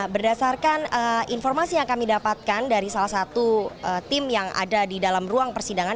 berdasarkan informasi yang kami dapatkan dari salah satu tim yang ada di dalam ruang persidangan